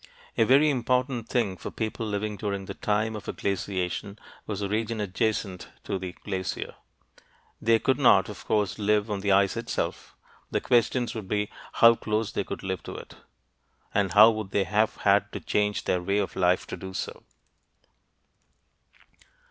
A very important thing for people living during the time of a glaciation was the region adjacent to the glacier. They could not, of course, live on the ice itself. The questions would be how close could they live to it, and how would they have had to change their way of life to do so.